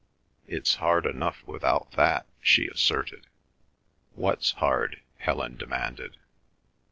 "It's hard enough without that," she asserted. "What's hard?" Helen demanded.